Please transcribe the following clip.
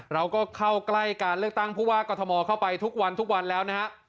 เราก็เข้าใกล้การเลือกตั้งผู้ว่ากรทมเข้าไปทุกวันทุกวันแล้วนะฮะ